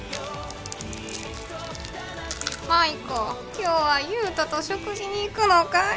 今日は雄太と食事に行くのかい？」